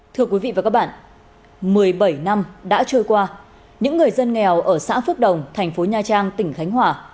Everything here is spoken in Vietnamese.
thưa quý vị và các bạn một mươi bảy năm đã trôi qua những người dân nghèo ở xã phước đồng thành phố nha trang tỉnh khánh hòa